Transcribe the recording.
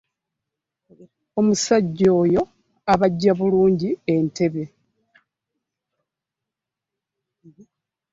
Omusajja oyo abajja bulungi entebe.